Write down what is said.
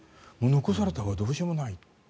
残された側はどうしようもない。